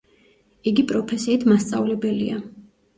იგი პროფესიით მასწავლებელია.